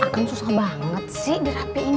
kan susah banget sih dirapiinnya